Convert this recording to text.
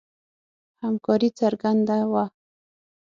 همکاري څرګنده وه.